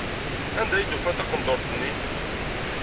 Anda ay d-ufan taqendurt-nni?